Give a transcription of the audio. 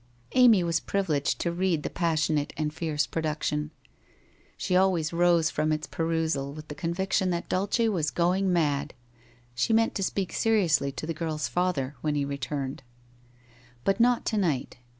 Amy was privileged to read the passionate and fierce pro duction. She always rose from its perusal with the con viction that Dulce was going mad; she meant to speak seriously to the girl's father when he returned. But not to night.